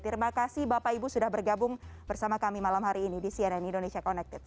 terima kasih bapak ibu sudah bergabung bersama kami malam hari ini di cnn indonesia connected